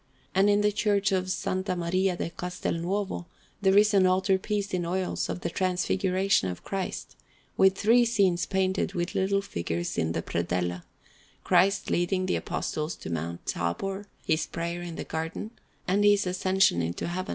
And in the Church of S. Maria di Castelnuovo there is an altar piece in oils of the Transfiguration of Christ, with three scenes painted with little figures in the predella Christ leading the Apostles to Mount Tabor, His Prayer in the Garden, and His Ascension into Heaven.